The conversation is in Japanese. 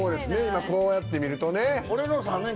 今こうやって見るとね。